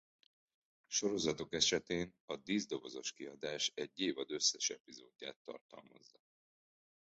Sorozatok esetén a díszdobozos kiadás egy évad összes epizódját tartalmazza.